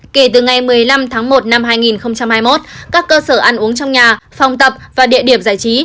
kể từ ngày một mươi năm tháng một năm hai nghìn hai mươi một các cơ sở ăn uống trong nhà phòng tập và địa điểm giải trí